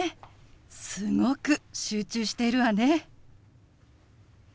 すごく集中しているわね。